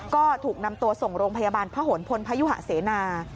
ก็ถูกนำตัวส่งโรงพยาบาลพระหลพลพยุหะเสนา